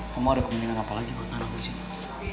kamu ada kemungkinan apa lagi buat anak gue disini